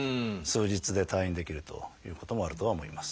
数日で退院できるということもあるとは思います。